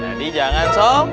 jadi jangan sombong